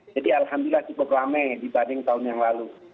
jadi alhamdulillah cukup ramai dibanding tahun yang lalu